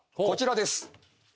こちらです。